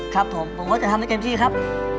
ครับผมผมก็จะทำให้เต็มที่ครับ